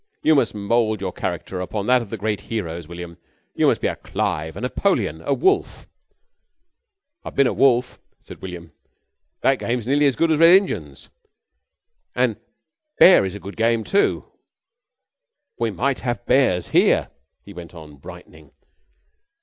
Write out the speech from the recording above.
You must mould your character upon that of the great heroes, William. You must be a Clive, a Napoleon, a Wolfe." "I've often been a wolf," said William. "That game's nearly as good as Red Injuns. An' Bears is a good game too. We might have Bears here," he went on brightening.